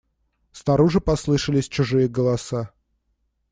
Снаружи послышались чужие голоса.